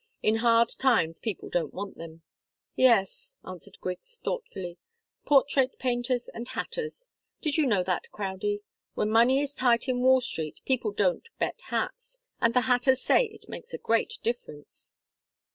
In hard times people don't want them." "Yes," answered Griggs, thoughtfully. "Portrait painters and hatters. Did you know that, Crowdie? When money is tight in Wall Street, people don't bet hats, and the hatters say it makes a great difference."